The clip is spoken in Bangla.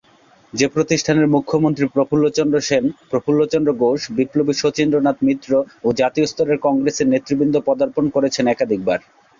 যে প্রতিষ্ঠানে মুখ্যমন্ত্রী প্রফুল্লচন্দ্র সেন, প্রফুল্লচন্দ্র ঘোষ, বিপ্লবী শচীন্দ্রনাথ মিত্র ও জাতীয় স্তরের কংগ্রেস নেতৃবৃন্দ পদার্পণ করেছেন একাধিকবার।